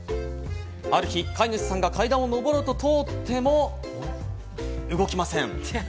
ある日、飼い主さんが階段を登ろうと通っても動きません。